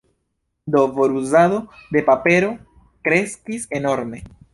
Do foruzado de papero kreskis enorme.